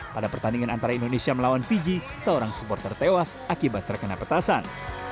pada pertandingan antara indonesia melawan fiji seorang supporter tewas akibat terkena petasan